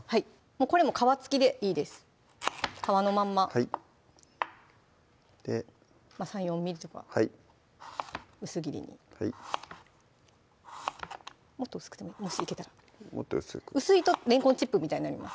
これも皮付きでいいです皮のまんまはい３４ｍｍとか薄切りにはいもっと薄くてもいいもしいけたらもっと薄く薄いとれんこんチップみたいになります